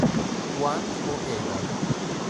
Juan Ojeda